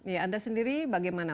ya anda sendiri bagaimana